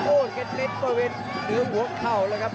โอ้เก็บเม็ดประเวนหรือหัวเข้าเลยครับ